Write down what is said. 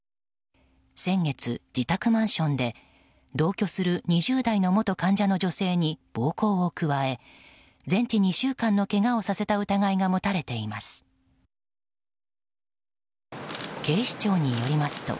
先月、自宅マンションで同居する２０代の元患者の女性に暴行を加え全治２週間のけがをさせた疑いが持たれています。